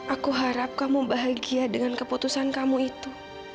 aku harap kamu bahagia dengan keputusan kamu itu